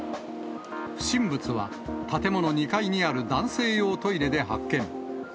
不審物は建物２階にある男性用トイレで発見。